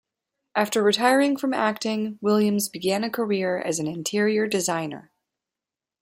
After retiring from acting, Williams began a career as an interior designer.